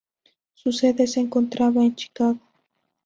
Su sede se encontraba en Chicago.